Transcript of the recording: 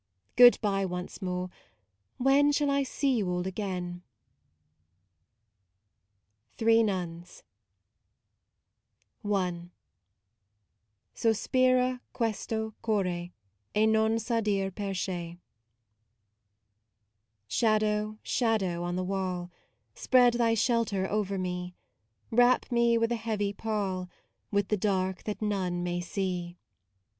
Good bye once more : when shall I see you all again ? THREE NUNS I " Sospira questo core E non sadir perche" Shadow, shadow on the wall, Spread thy shelter over me ; Wrap me with a heavy pall, With the dark that none may see.